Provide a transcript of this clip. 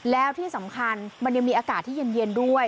แล้วที่สำคัญมันยังมีอากาศที่เย็นด้วย